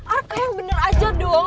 arka yang bener aja doang